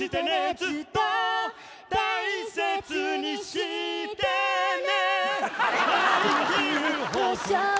ずっと大切にしてね。